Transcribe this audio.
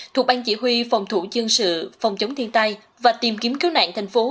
thuộc ban chỉ huy phòng thủ dân sự phòng chống thiên tai và tìm kiếm cứu nạn thành phố